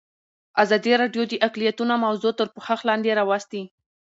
ازادي راډیو د اقلیتونه موضوع تر پوښښ لاندې راوستې.